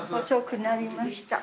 遅くなりました。